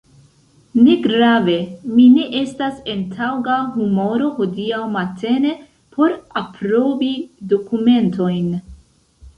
Negrave, mi ne estas en taŭga humoro hodiaŭ matene por aprobi dokumentojn.